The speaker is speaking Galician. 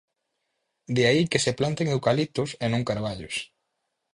De aí que se planten eucaliptos e non carballos.